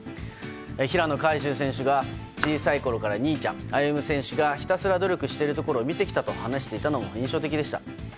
平野海祝選手が小さいころから兄ちゃん歩夢選手が、ひたすら努力してきたところを見てきたと話していたのが印象的でした。